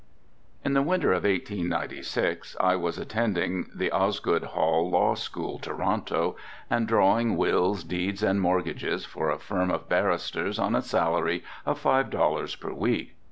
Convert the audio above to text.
In the winter of 1896 I was attending the Osgoode Hall Law School, Toronto, and drawing wills, deeds and mortgages for a firm of barristers on a salary of five dollars per week.